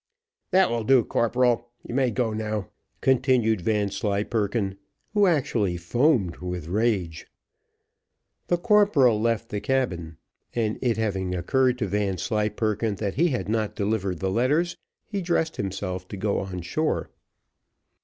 That will do, corporal, you may go now," continued Vanslyperken, who actually foamed with rage. The corporal left the cabin, and it having occurred to Vanslyperken that he had not delivered the letters, he dressed himself to go on shore.